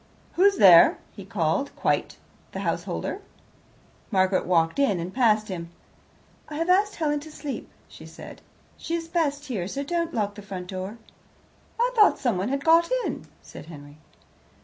"Who's there?" he called, quite the householder. Margaret walked in and past him. "I have asked Helen to sleep," she said. "She is best here; so don't lock the front door." "I thought someone had got in," said Henry.